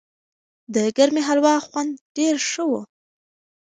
د ګرمې هلوا خوند ډېر ښه و.